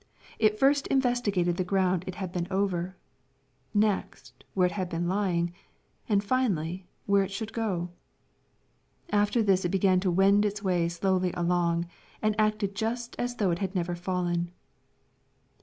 It first investigated the ground it had been over, next where it had been lying, and finally where it should go. After this it began to wend its way slowly along, and acted just as though it had never fallen.